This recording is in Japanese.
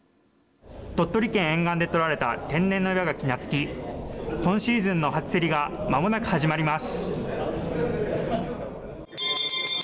鳥取県沿岸でとられた天然の岩ガキ、夏輝今シーズンの初競りが間もなく始まります。